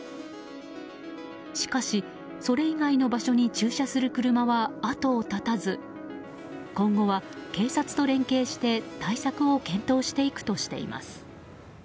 しかし、それ以外の場所に駐車する車は後を絶たず今後は警察と連携して対策を検討していくとしています。